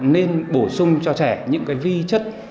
nên bổ sung cho trẻ những vi chất